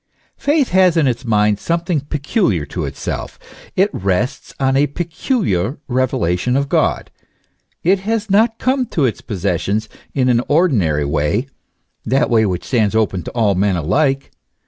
Faith has in its mind something peculiar to itself; it rests on a peculiar revelation of God ; it has not come to its posses sions in an ordinary way, that way which stands open to all men alike.